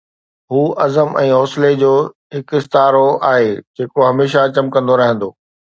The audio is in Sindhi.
هو عزم ۽ حوصلي جو هڪ استعارو آهي، جيڪو هميشه چمڪندو رهندو.